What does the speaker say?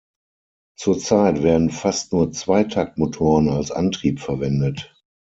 Zurzeit werden fast nur Zweitaktmotoren als Antrieb verwendet.